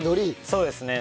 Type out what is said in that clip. そうですね。